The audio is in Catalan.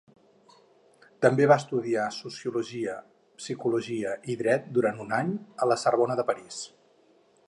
També va estudiar sociologia, psicologia i dret durant un any a la Sorbona de París.